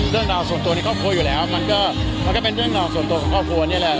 เรื่องราวส่วนตัวในครอบครัวอยู่แล้วมันก็มันก็เป็นเรื่องราวส่วนตัวของครอบครัวนี่แหละ